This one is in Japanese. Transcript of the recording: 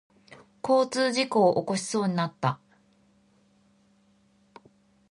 交通事故を起こしそうになった。